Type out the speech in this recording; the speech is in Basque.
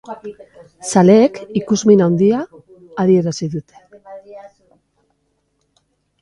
Zaleek ikusmin handia adierazi dute.